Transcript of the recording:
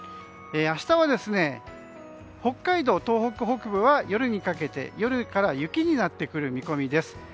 明日は北海道、東北北部は夜から雪になってくる見込みです。